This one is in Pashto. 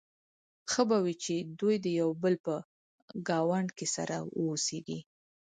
ښه به وي چې دوی د یو بل په ګاونډ کې سره واوسيږي.